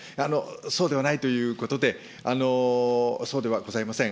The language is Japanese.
そうではないということで、そうではございません。